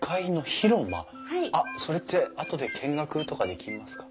それってあとで見学とかできますか？